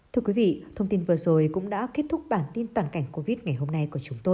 thưa quý vị thông tin vừa rồi cũng đã kết thúc bản tin toàn cảnh covid ngày hôm nay